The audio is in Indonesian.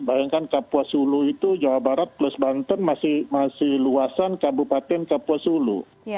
bayangkan kapuasulu itu jawa barat plus banten masih luasan kabupaten kapuasulu